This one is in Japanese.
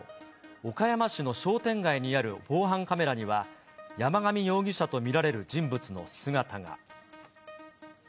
岡山市の商店街にある防犯カメラには、山上容疑者と見られる人物の姿が。